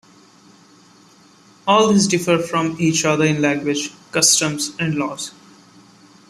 All these differ from each other in language, customs and laws.